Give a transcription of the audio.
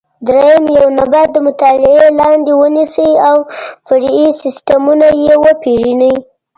درېیم: یو نبات د مطالعې لاندې ونیسئ او فرعي سیسټمونه یې وپېژنئ.